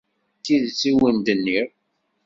D tidet i wen-d-nniɣ.